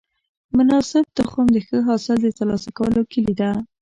مناسب تخم د ښه حاصل د ترلاسه کولو کلي ده.